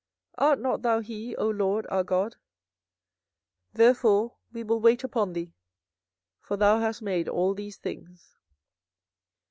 art not thou he, O LORD our God? therefore we will wait upon thee: for thou hast made all these things.